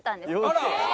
あら。